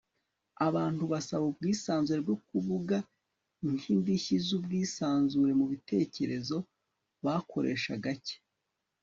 abantu basaba ubwisanzure bwo kuvuga nk'indishyi z'ubwisanzure mu bitekerezo bakoresha gake